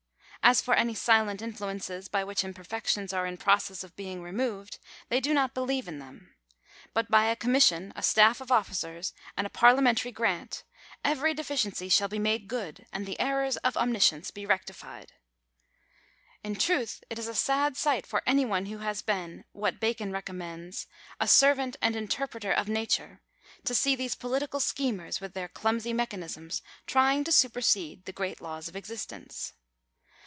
As for any silent influences by which imperfections are in process of being removed, they do not believe in them. But by a commission, a staff of officers, and a Digitized by VjOOQIC THE LIMIT OF STATE DUTY. 298 a, what] are," to parliamentary grant, every deficiency shall be made good, and the errors of Omniscience be rectified ! In truth it is a sad sight for any one who has been, Bacon recommends —" a servant and interpreter of nature,' see these political schemers, with their clumsy mechanisms, trying to supersede the great laws of existence.